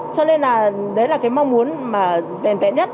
cho nên là đấy là cái mong muốn mà vẹn vẹn nhất